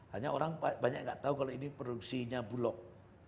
hanya orang banyak nggak tahu kalau ini produksinya bulog